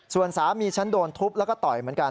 ส่วนสามีฉันโดนทุบแล้วก็ต่อยเหมือนกัน